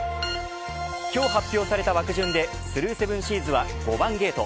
今日発表された枠順でスルーセブンシーズは５番ゲート。